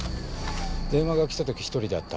電話が来た時１人だった？